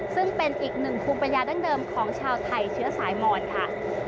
ซึ่งเป็นอีกหนึ่งภูมิปัญญาดั้งเดิมของชาวไทยเชื้อสายมอนค่ะ